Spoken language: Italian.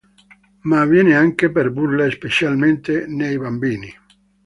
Ma avviene anche per burla, specialmente nei bambini.